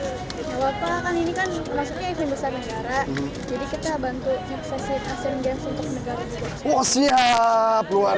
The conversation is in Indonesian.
nggak apa apa kan ini kan maksudnya event besar negara jadi kita bantu suksesi asian games untuk negara